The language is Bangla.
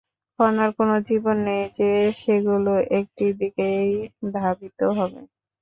কণার কোনো জীবন নেই যে সেগুলো একটি দিকেই ধাবিত হবে।